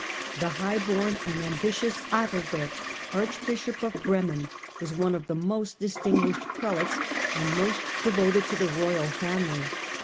The high bom and ambitious Adalbert, archbishop of Bremen, was one of the most distinguished prelates, and most devoted to the royal family.